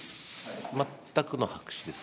全くの白紙です。